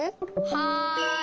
はい。